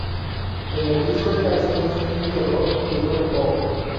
En el disco hay canciones Indie Rock y Rock Pop.